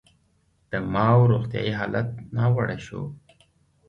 د ماوو روغتیايي حالت ناوړه شو.